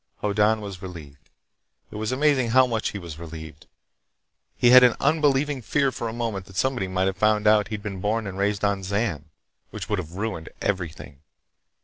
Hoddan was relieved. It was amazing how much he was relieved. He'd had an unbelieving fear for a moment that somebody might have found out he'd been born and raised on Zan—which would have ruined everything.